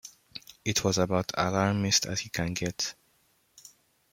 It was about alarmist as you can get.